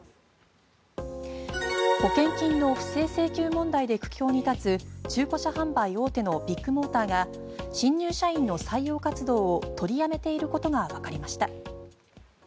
保険金の不正請求問題で苦境に立つ中古車販売大手のビッグモーターが新入社員の採用活動を取りやめていることがわかりました。